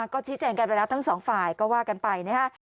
ก็ชิดแจ่งกันแล้วทั้งสองฝ่ายก็ว่ากันไปนะครับ